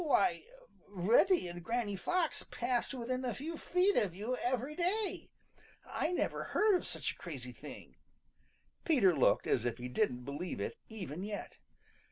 Why, Reddy and Granny Fox passed within a few feet of you every day! I never heard of such a crazy thing!" Peter looked as if he didn't believe it even yet.